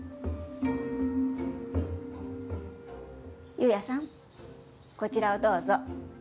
夕也さんこちらをどうぞ。